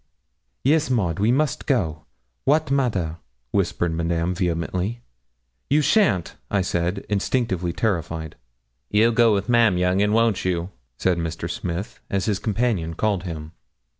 'Yes, Maud, we must go wat matter?' whispered Madame vehemently. 'You shan't,' I said, instinctively terrified. 'You'll go with Ma'am, young 'un, won't you?' said Mr. Smith, as his companion called him.